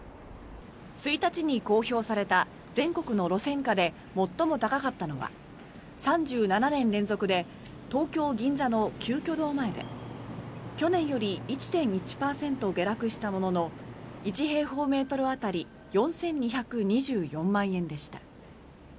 １日に公表された全国の路線価で最も高かったのは３７年連続で東京・銀座の鳩居堂前で去年より１．１％下落したものの１平方メートル当たり４２２４万円でした。